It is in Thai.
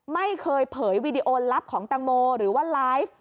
ไม่เคยเผยวีดีโอลับของแตงโมหรือว่าไลฟ์